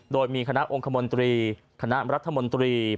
โดยมีคณะองคมนตรีคณะรัฐมนตรี